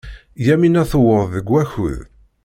Yamina tuweḍ deg wakud.